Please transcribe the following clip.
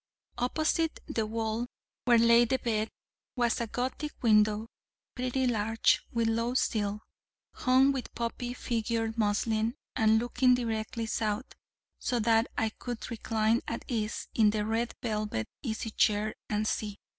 Opposite the wall, where lay the bed, was a Gothic window, pretty large, with low sill, hung with poppy figured muslin, and looking directly south, so that I could recline at ease in the red velvet easy chair, and see.